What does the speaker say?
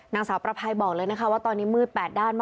นางสาวประภัยบอกเลยนะคะว่าตอนนี้มืด๘ด้านมาก